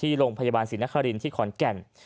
โรงพยาบาลศรีนครินที่ขอนแก่น